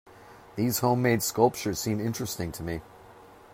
These home-made sculptures seem interesting to me.